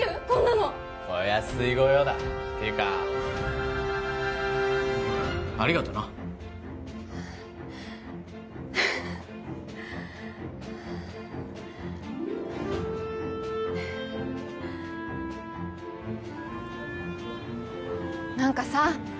こんなのお安いご用だていうかありがとな何かさ